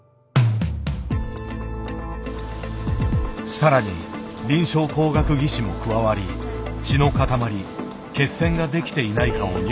更に臨床工学技士も加わり血の塊「血栓」ができていないかを入念に確認する。